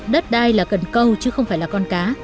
đất đai là cần câu chứ không phải là con cá